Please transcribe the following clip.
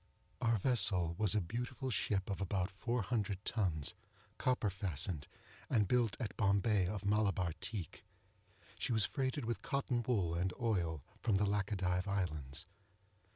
Our vessel was a beautiful ship of about four hundred tons, copper fastened, and built at Bombay of Malabar teak. She was freighted with cotton wool and oil, from the Lachadive islands.